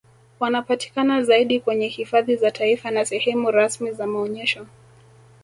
Wanapatikana zaidi kwenye hifadhi za taifa na sehemu rasmi za maonyesho